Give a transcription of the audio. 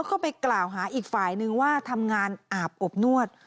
แล้วก็ไปกล่าวหาอีกฝ่ายนึงว่าทำงานอาบอบนวด